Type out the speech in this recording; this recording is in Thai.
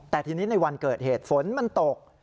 แต่ทีนี้ในวันเกิดเหตุฝนมันตก